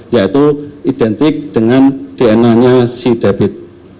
yaitu identik dengan dna nya si debit